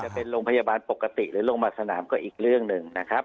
จะเป็นโรงพยาบาลปกติหรือลงมาสนามก็อีกเรื่องหนึ่งนะครับ